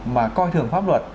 mà coi thường pháp luật